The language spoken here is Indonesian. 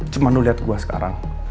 cuma lu liat gua sekarang